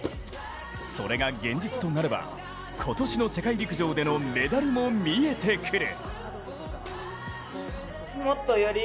それが現実となれば今年の世界陸上でのメダルも見えてくる。